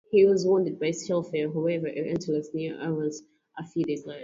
He was wounded by shellfire, however, at Arleux, near Arras a few days later.